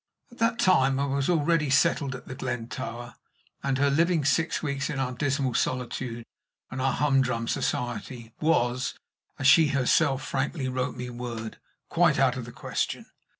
At that time I was already settled at The Glen Tower, and her living six weeks in our dismal solitude and our humdrum society was, as she herself frankly wrote me word, quite out of the question.